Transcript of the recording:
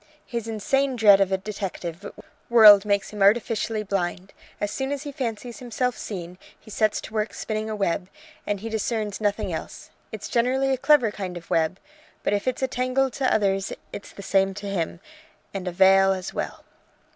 His insane dread of a detective world makes him artificially blind. As soon as he fancies himself seen, he sets to work spinning a web, and he discerns nothing else. It's generally a clever kind of web; but if it's a tangle to others it's the same to him, and a veil as well.